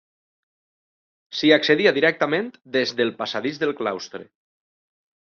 S'hi accedia directament des del passadís del claustre.